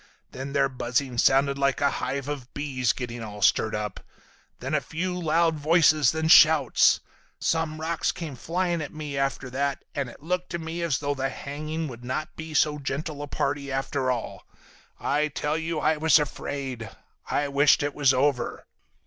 Then their buzzing sounded like a hive of bees getting all stirred up. Then a few loud voices, then shouts. Some rocks came flying at me after that, and it looked to me as though the hanging would not be so gentle a party after all. I tell you I was afraid. I wished it was over.